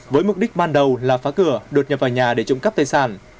với mục đích ban đầu là phá cửa đột nhập vào nhà để trộm cắp tài sản